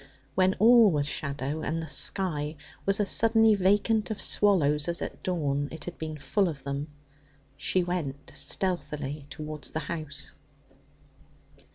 When all was shadow, and the sky was as suddenly vacant of swallows as at dawn it had been full of them, she went stealthily towards the house.